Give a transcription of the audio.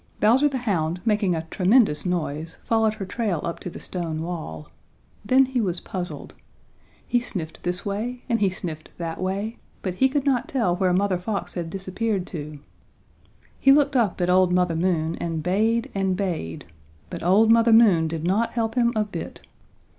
Bowser the Hound, making a tremendous noise, followed her trail up to the stone wall. Then he was puzzled. He sniffed this way, and he sniffed that way, but he could not tell where Mother Fox had disappeared to. He looked up at old Mother Moon and bayed and bayed, but old Mother Moon did not help him a bit.